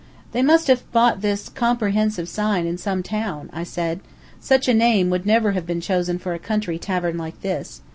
"They must have bought this comprehensive sign in some town," I said. "Such a name would never have been chosen for a country tavern like this.